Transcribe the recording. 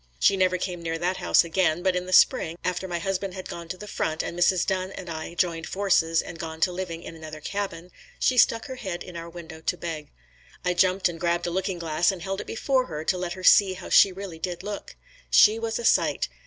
She never came near that house again, but in the spring after my husband had gone to the front and Mrs. Dunn and I had joined forces and gone to living in another cabin, she stuck her head in our window to beg. I jumped and grabbed a looking glass and held it before her to let her see how she really did look. She was a sight.